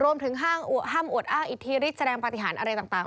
รวมถึงห้ามอวดอ้างอิทธิฤทธิแสดงปฏิหารอะไรต่าง